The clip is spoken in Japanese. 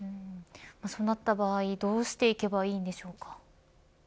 そうなった場合どうしていけばいいでしょうか。